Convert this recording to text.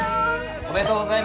おめでとうございまーす！